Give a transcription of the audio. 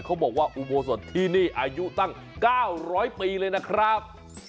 เขาบอกว่าอุโบสถที่นี่อายุตั้ง๙๐๐ปีเลยนะครับ